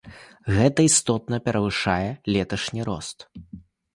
Гэта істотна перавышае леташні рост.